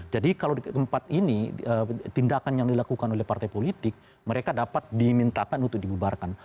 jadi kalau di keempat ini tindakan yang dilakukan oleh partai politik mereka dapat dimintakan untuk dibubarkan